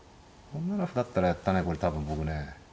４七歩だったらやったねこれ多分僕ね。